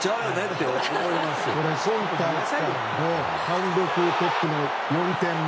今大会単独トップの４点目。